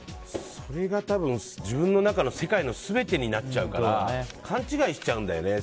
それが自分の中の世界の全てになっちゃうから勘違いしちゃうんだよね。